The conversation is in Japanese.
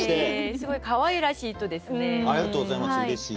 すごいかわいらしい人ですね。